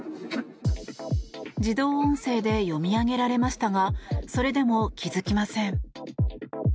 自動音声で読み上げられましたがそれでも気づきません。